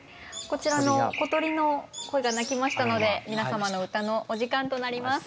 こちらの小鳥の声が鳴きましたので皆様の歌のお時間となります。